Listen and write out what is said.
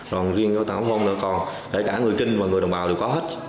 rồi riêng tảo hôn nữa còn kể cả người kinh và người đồng bào đều có hết